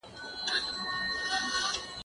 زه کولای سم سپينکۍ پرېولم؟!